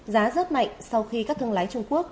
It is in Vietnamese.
giá rất mạnh sau khi các thương lái trung quốc